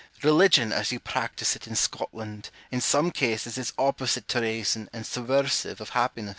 Religion, as you practise it in Scotland, in some cases is opposite to reason and subversive of happiness.